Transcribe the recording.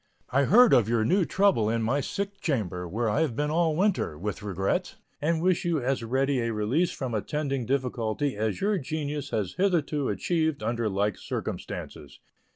I heard of your new trouble, in my sick chamber, where I have been all winter, with regret, and wish you as ready a release from attending difficulty as your genius has hitherto achieved under like circumstances.